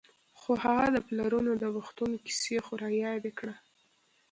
خو هغه د پلرو د وختونو کیسې خو رایادې کړه.